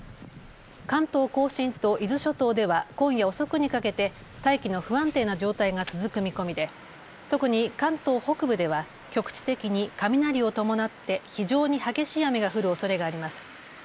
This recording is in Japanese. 関東甲信と伊豆諸島では今夜遅くにかけて大気の不安定な状態が続く見込みで特に関東北部では局地的に雷を伴って非常に激しい雨が降るおそれがあります。